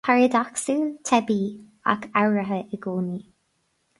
Paradacsúil, teibí, ach ábhartha i gcónaí